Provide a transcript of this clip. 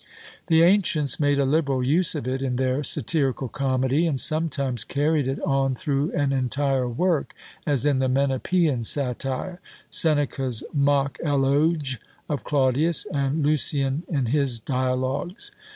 The ancients made a liberal use of it in their satirical comedy, and sometimes carried it on through an entire work, as in the Menippean satire, Seneca's mock Eloge of Claudius, and Lucian in his Dialogues.